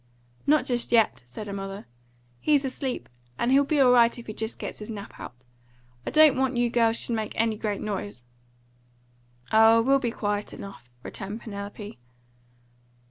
"Not just yet," said her mother. "He's asleep, and he'll be all right if he gets his nap out. I don't want you girls should make any great noise." "Oh, we'll be quiet enough," returned Penelope.